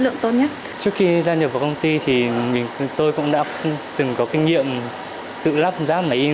lượng tốt nhất trước khi gia nhập vào công ty thì tôi cũng đã từng có kinh nghiệm tự lắp ráp máy in